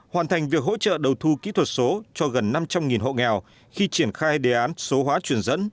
hoàn thành việc hỗ trợ đầu thu kỹ thuật số cho gần năm trăm linh hộ nghèo khi triển khai đề án số hóa truyền dẫn